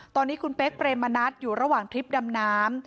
ตอนนี้คุณเป๊กเปรมมณัฐอยู่ระหว่างทริปดำน้ำ